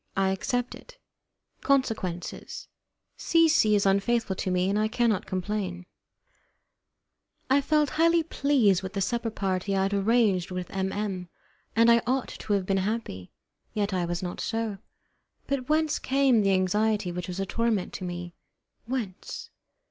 I Accept It Consequences C. C. is Unfaithful to Me, and I Cannot Complain I felt highly pleased with the supper party I had arranged with M M , and I ought to have been happy. Yet I was not so; but whence came the anxiety which was a torment to me? Whence?